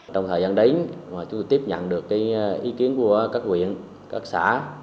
trong thời gian đấy mà chúng tôi tiếp nhận được ý kiến của các quyền các xã